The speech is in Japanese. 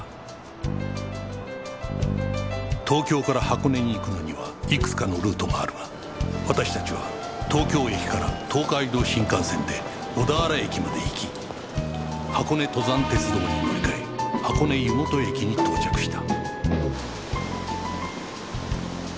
東京から箱根に行くのにはいくつかのルートがあるが私たちは東京駅から東海道新幹線で小田原駅まで行き箱根登山鉄道に乗り換え箱根湯本駅に到着した